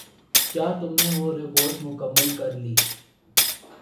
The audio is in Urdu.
کیا تم نے وہ رپورٹ مکمل کر لی؟